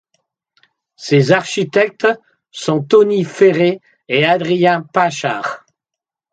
Ses architectes sont Tony Ferret et Adrien Pinchard.